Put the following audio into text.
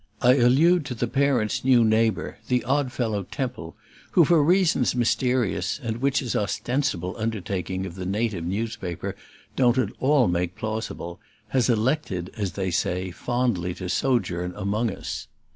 I allude to the Parents' new neighbor, the odd fellow Temple, who, for reasons mysterious and which his ostensible undertaking of the native newspaper don't at all make plausible, has elected, as they say, fondly to sojourn among us.